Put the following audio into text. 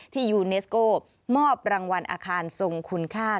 ยูเนสโก้มอบรางวัลอาคารทรงคุณค่า